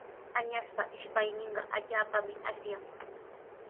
Añaspa ishpayninqa allaapami asyan.